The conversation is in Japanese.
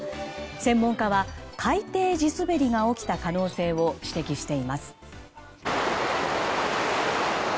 専門家は海底地滑りが起きた可能性を指摘しています。